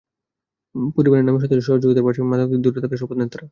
পরিবারের নারী সদস্যদের সহযোগিতার পাশাপাশি মাদক থেকে দূরে থাকার শপথ নেন তাঁরা।